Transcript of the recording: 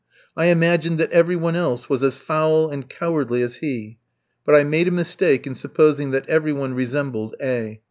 I imagined that every one else was as foul and cowardly as he. But I made a mistake in supposing that every one resembled A f.